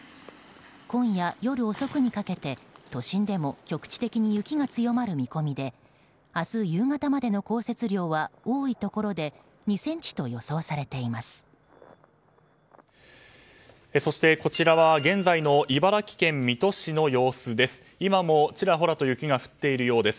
今夜、夜遅くにかけて都心でも局地的に雪が強まる見込みで明日夕方までの降雪量は多いところで２ｃｍと予想されています。